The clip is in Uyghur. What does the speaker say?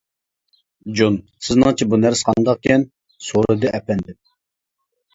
-جون، سىزنىڭچە بۇ نەرسە قانداقكەن؟ -سورىدى ئەپەندىم.